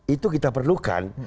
itu kita perlukan